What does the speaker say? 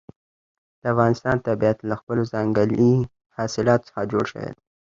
د افغانستان طبیعت له خپلو ځنګلي حاصلاتو څخه جوړ شوی دی.